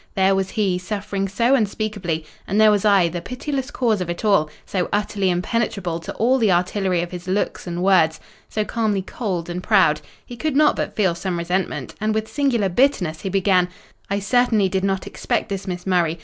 There was he, suffering so unspeakably, and there was I, the pitiless cause of it all, so utterly impenetrable to all the artillery of his looks and words, so calmly cold and proud, he could not but feel some resentment; and with singular bitterness he began—'I certainly did not expect this, Miss Murray.